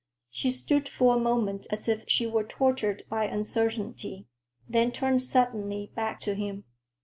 She stood for a moment as if she were tortured by uncertainty, then turned suddenly back to him.